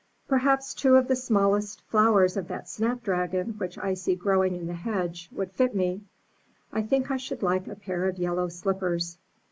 Perhaps two of the smallest flowers of that snap dragon which I see growing in the hedge would fit me. I think I should like a pair of yellow slippers.'